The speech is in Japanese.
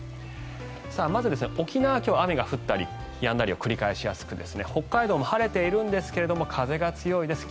まず沖縄、今日は雨が降ったりやんだりを繰り返しやすく北海道も晴れているんですが風が強いです。